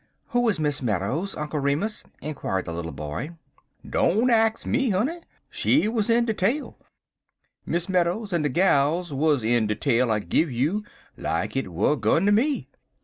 "Who was Miss Meadows, Uncle Remus?" inquired the little boy. "Don't ax me, honey. She wuz in de tale, Miss Meadows en de gals wuz, en de tale I give you like hi't wer' gun ter me.